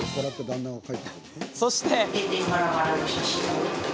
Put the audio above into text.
そして。